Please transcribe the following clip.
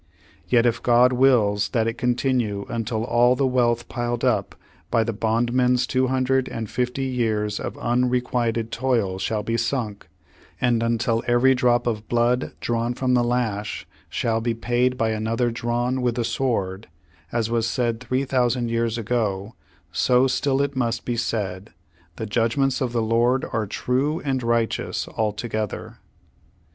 Yet if God wills that it continue until all the wealth piled up by the bondman's tv\^o hundred and fifty years of unrequited toil shall be sunk, and until every drop of blood drawn from the lash shall be paid by another drawn with the sword, as was said three thousand years ago, so still it must be said, 'The judgments of the Lord are true and righteous altogether.'